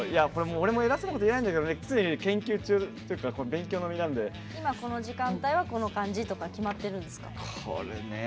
俺も偉そうなこといえないんだけど常に勉強中の身なんで今、この時間帯はこの感じとか決まってるんですか。